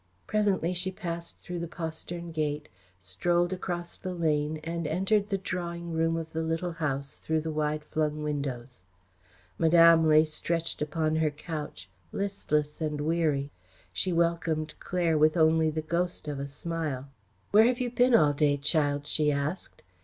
Presently she passed through the postern gate, strolled across the lane and entered the drawing room of the Little House through the wide flung windows. Madame lay stretched upon her couch, listless and weary. She welcomed Claire with only the ghost of a smile. "Where have you been all day, child?" she asked.